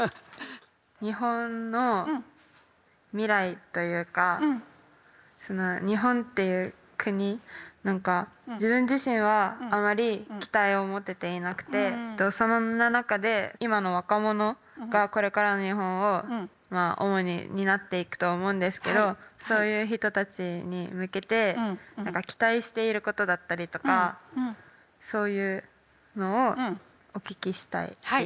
日本の未来というかその日本っていう国何か自分自身はあまり期待を持てていなくてそんな中で今の若者がこれからの日本を主に担っていくと思うんですけどそういう人たちに向けて何か期待していることだったりとかそういうのをお聞きしたいです。